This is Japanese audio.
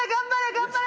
頑張れ！